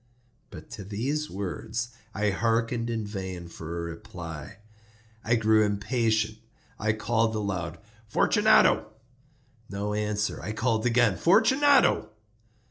But to these words I hearkened in vain for a reply. I grew impatient. I called aloud— "Fortunato!" No answer. I called again— "Fortunato!"